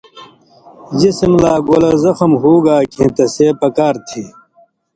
جسم لا گولہ زخم ہُوگا کھیں تسے پکار تھی